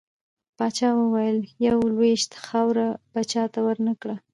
پاچا وويل: يوه لوېشت خاوړه به چاته ورنه کړه .